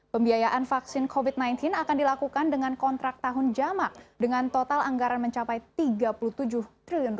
pembiayaan vaksin covid sembilan belas akan dilakukan dengan kontrak tahun jamak dengan total anggaran mencapai rp tiga puluh tujuh triliun